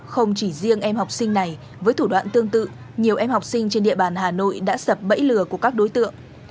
không chỉ riêng em học sinh này với thủ đoạn tương tự nhiều em học sinh trên địa bàn hà nội đã sập bẫy lừa của các đối tượng